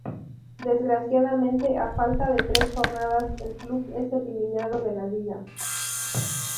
Desgraciadamente a falta de tres jornadas el club es eliminado de la liga.